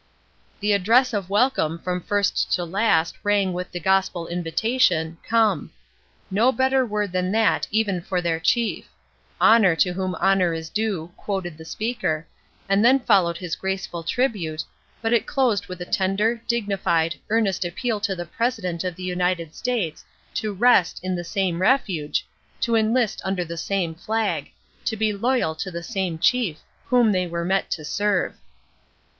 The address of welcome from first to last rang with the gospel invitation, "come;" no better word than that even for their chief; "honor to whom honor is due," quoted the speaker, and then followed his graceful tribute, but it closed with a tender, dignified, earnest appeal to the President of the United States to 'rest' in the same refuge, to enlist under the same flag, to be loyal to the same Chief, whom they were met to serve.